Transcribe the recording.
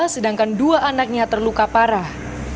sedangkan dua anaknya terluka parah